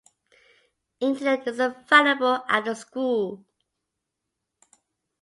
Internet is available at the school.